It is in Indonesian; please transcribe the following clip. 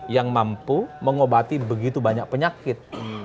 yang mampu mengobati begitu banyak penyakit